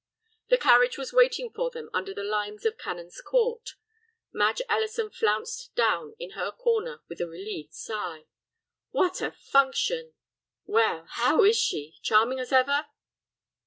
The carriage was waiting for them under the limes of Canon's Court. Madge Ellison flounced down in her corner with a relieved sigh. "What a function! Well, how is she, charming as ever?"